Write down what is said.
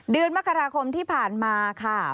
เดือนมกราคมที่ผ่านมาค่ะ